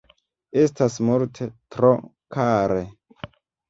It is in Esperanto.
Estas multe tro kare.